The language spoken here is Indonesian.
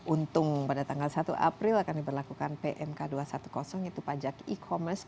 untung pada tanggal satu april akan diberlakukan pmk dua ratus sepuluh yaitu pajak e commerce